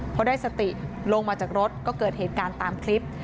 พอได้สติลงมาจากรถก็เกิดเหตุการณ์ตามคลิป